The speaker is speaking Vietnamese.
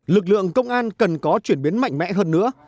lực lượng công an cần có chuyển biến mạnh mẽ hơn nữa